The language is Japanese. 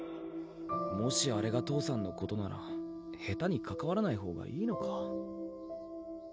もしあれが父さんのことなら下手にかかわらないほうがいいのか？